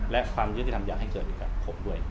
และความยุติธรรมอยากให้เกิดอยู่กับผมด้วย